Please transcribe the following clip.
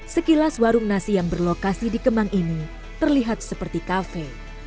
sekilas warung nasi yang berlokasi di kemang ini terlihat seperti kafe